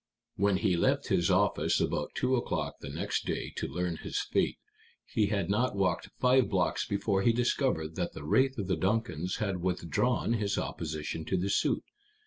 When he left his office about two o'clock the next day to learn his fate, he had not walked five blocks before he discovered that the wraith of the Duncans had withdrawn his opposition to the suit.